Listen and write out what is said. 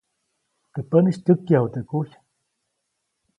Teʼ päʼnis tyäkyaju teʼ kuy.